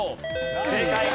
正解！